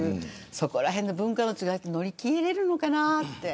そこらへんの文化の違いって乗り切れるのかなって。